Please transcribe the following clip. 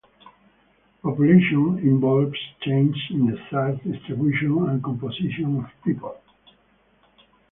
"Population" involves changes in the size, distribution, and composition of people.